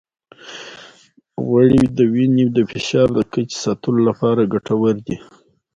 غوړې د وینې د فشار د کچې ساتلو لپاره ګټورې دي.